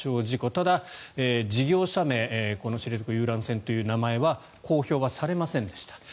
ただ、事業者名知床遊覧船という名前は公表はされませんでした。